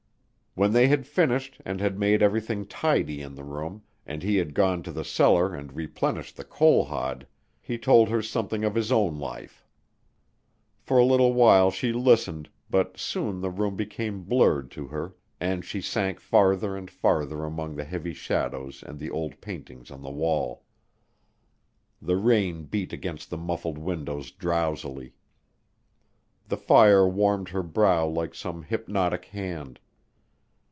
When they had finished and had made everything tidy in the room, and he had gone to the cellar and replenished the coal hod, he told her something of his own life. For a little while she listened, but soon the room became blurred to her and she sank farther and farther among the heavy shadows and the old paintings on the wall. The rain beat against the muffled windows drowsily. The fire warmed her brow like some hypnotic hand.